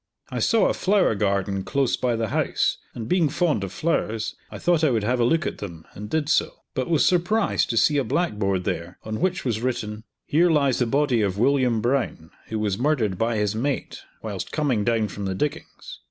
I saw a flower garden close by the house, and being fond of flowers, I thought I would have a look at them, and did so; but was surprised to see a blackboard there, on which was written "Here lies the body of William Brown, who was murdered by his mate whilst coming down from the diggings.